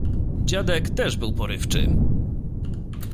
Dziadek też był porywczy.